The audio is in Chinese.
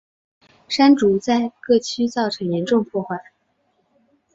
山竹在各区造成严重破坏。